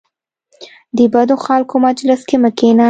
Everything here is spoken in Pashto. د بدو خلکو مجلس کې مه کینه .